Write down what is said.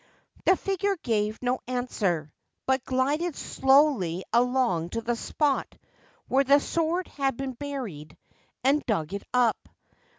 ' The figure gave no answer, but glided slowly along to the spot where the sword had been buried, and dug it up.